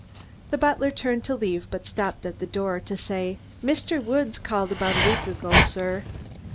The butler turned to leave but stopped at the door to say: "Mr. Woods called about a week ago, sir."